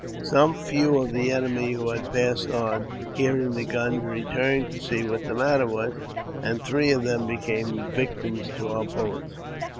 Some few of the enemy who had passed on, hearing the guns, returned to see what the matter was, and three of them became victims to our bullets.